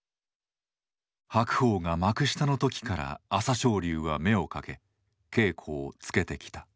白鵬が幕下の時から朝青龍は目をかけ稽古をつけてきた。